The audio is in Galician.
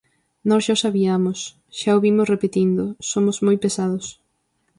Nós xa o sabiamos, xa o vimos repetindo, somos moi pesados.